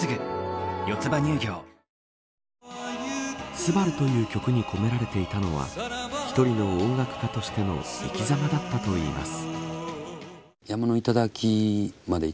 昴という曲に込められていたのは一人の音楽家としての生き様だったといいます。